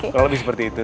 kalau lebih seperti itu